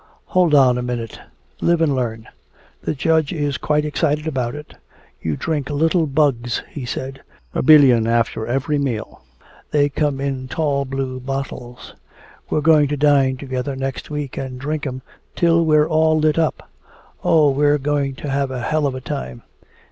"Hold on a minute, live and learn. The Judge is quite excited about it. You drink little bugs, he says, a billion after every meal. They come in tall blue bottles. We're going to dine together next week and drink 'em till we're all lit up. Oh, we're going to have a hell of a time.